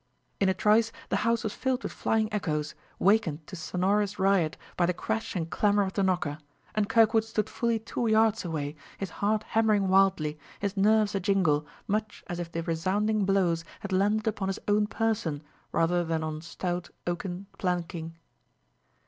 In a trice the house was filled with flying echoes, wakened to sonorous riot by the crash and clamor of the knocker; and Kirkwood stood fully two yards away, his heart hammering wildly, his nerves a jingle, much as if the resounding blows had landed upon his own person rather than on stout oaken planking.